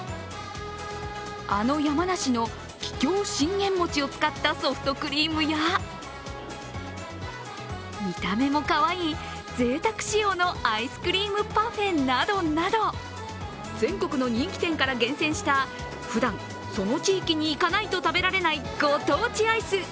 あの山梨の桔梗信玄餅を使ったソフトクリームや見た目もかわいい、ぜいたく仕様のアイスクリームパフェなどなど全国の人気店から厳選したふだんその地域に行かないと食べられないご当地アイス。